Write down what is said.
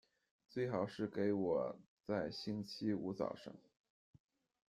最好是给我在星期五早上